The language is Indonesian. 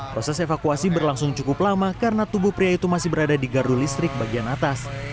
proses evakuasi berlangsung cukup lama karena tubuh pria itu masih berada di gardu listrik bagian atas